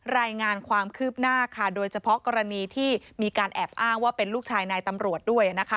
รายงานความคืบหน้าค่ะโดยเฉพาะกรณีที่มีการแอบอ้างว่าเป็นลูกชายนายตำรวจด้วย